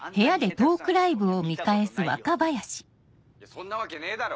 そんなわけねえだろ！